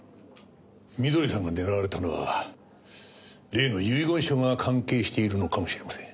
美登里さんが狙われたのは例の遺言書が関係しているのかもしれません。